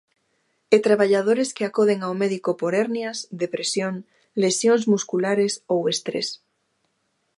E traballadores que acoden ao médico por hernias, depresión, lesións musculares ou estrés.